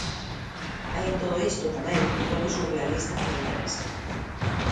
Hai en todo isto, tamén, un toque surrealista que me interesa.